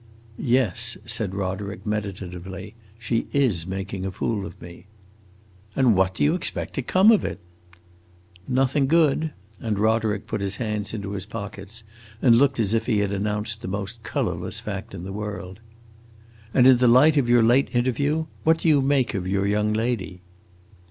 "Yes," said Roderick, meditatively; "she is making a fool of me." "And what do you expect to come of it?" "Nothing good!" And Roderick put his hands into his pockets and looked as if he had announced the most colorless fact in the world. "And in the light of your late interview, what do you make of your young lady?"